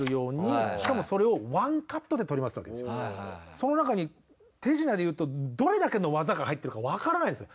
そのなかに手品でいうとどれだけの技が入ってるかわからないんですよ。